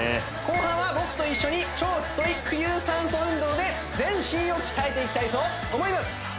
後半は僕と一緒に超ストイック有酸素運動で全身を鍛えていきたいと思います